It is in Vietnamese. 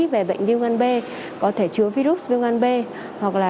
về bệnh viêm gan b có thể chứa virus viêm gan b hoặc là